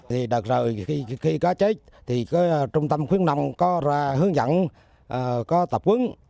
thì đợt rồi khi có chết thì trung tâm khuyến nông có ra hướng dẫn có tập quấn